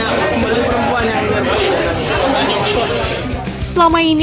banyak pembeli perempuan yang ini